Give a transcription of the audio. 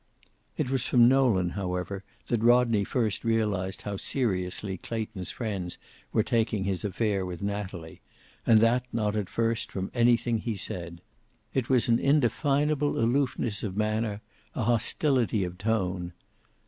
It was from Nolan, however, that Rodney first realized how seriously Clayton's friends were taking his affair with Natalie, and that not at first from anything he said. It was an indefinable aloofness of manner, a hostility of tone.